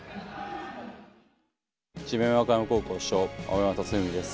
智弁和歌山高校主将・青山達史です。